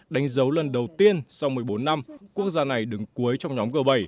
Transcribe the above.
đánh dấu lần đầu tiên sau một mươi bốn năm quốc gia này đứng cuối trong nhóm g bảy